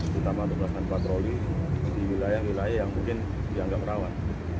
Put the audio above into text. terutama untuk melakukan patroli di wilayah wilayah yang mungkin dianggap rawan